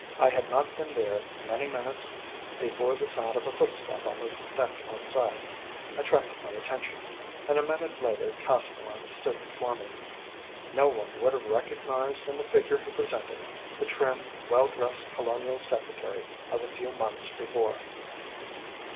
I had not been there many minutes before the sound of a footstep on the deck outside attracted my attention, and a minute later Castellan stood before me. No one would have recognised in the figure he presented, the trim, well dressed Colonial Secretary of a few months before.